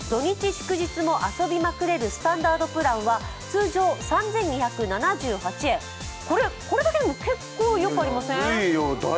祝日遊びまくれるスタンダードプランは通常３２７８円、これだけでも結構安くありません？